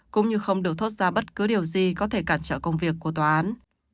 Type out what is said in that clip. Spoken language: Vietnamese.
cũng như không được thoát ra bất cứ điều gì có thể cản trở công việc của tòa án